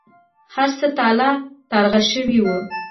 هر څه تالا ترغه شوي وو.